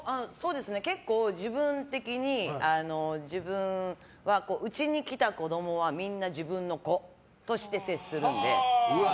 結構、自分的に自分はうちに来た子供はみんな自分の子として接するので。